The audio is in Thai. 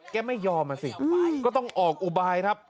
แกไม่ยอมอ่ะสิก็ต้องออกอุบายครับ